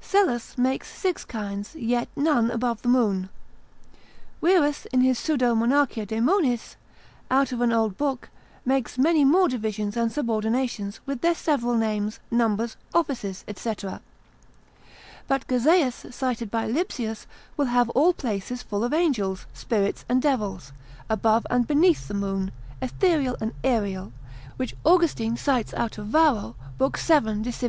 Psellus makes six kinds, yet none above the Moon: Wierus in his Pseudo monarchia Daemonis, out of an old book, makes many more divisions and subordinations, with their several names, numbers, offices, &c., but Gazaeus cited by Lipsius will have all places full of angels, spirits, and devils, above and beneath the Moon, ethereal and aerial, which Austin cites out of Varro l. 7. de Civ.